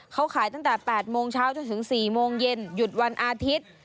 เขาขายตั้งแต่๘โมงเช้าจนถึง๔โมงเย็นหยุดวันอาทิตย์